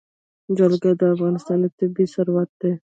جلګه د افغانستان طبعي ثروت دی.